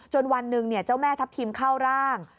วันหนึ่งเจ้าแม่ทัพทิมเข้าร่าง